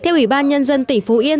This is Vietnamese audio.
theo ủy ban nhân dân tỉnh phú yên